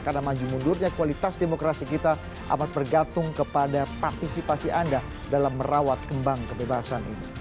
karena maju mundurnya kualitas demokrasi kita amat bergantung kepada partisipasi anda dalam merawat kembang kebebasan ini